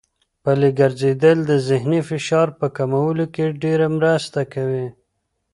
پلي ګرځېدل د ذهني فشار په کمولو کې ډېره مرسته کوي.